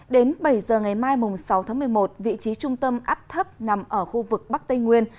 đến bảy giờ ngày mai sáu tháng một mươi một vị trí trung tâm áp thấp nằm ở khu vực bắc tây nguyên